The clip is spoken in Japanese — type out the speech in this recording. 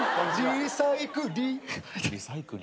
「リサイクリ」